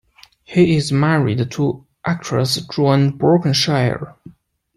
He is married to actress Joan Brockenshire.